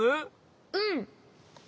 うん。